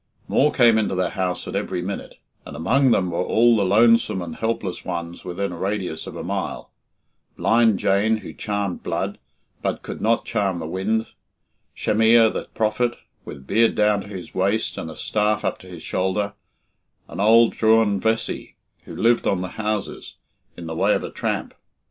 More came into the house at every minute, and among them were all the lonesome and helpless ones within a radius of a mile Blind Jane, who charmed blood, but could not charm the wind; Shemiah, the prophet, with beard down to his waist and a staff up to his shoulder; and old Juan Vessy, who "lived on the houses" in the way of a tramp.